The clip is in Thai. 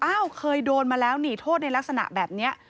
เคยโดนมาแล้วหนีโทษในลักษณะแบบนี้